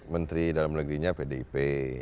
menteri dalam legerinya pdip